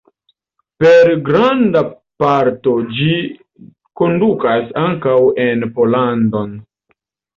Per granda parto ĝi kondukas ankaŭ en Pollandon.